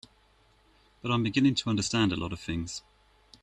But I'm beginning to understand a lot of things.